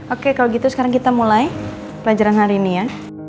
oke kalau gitu sekarang kita mulai pelajaran hari ini ya